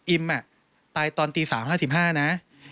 อิมอะ